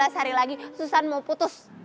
delapan belas hari lagi susan mau putus